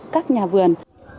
các nhà vườn